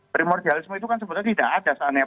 primordialisme itu kan sebetulnya tidak ada seandainya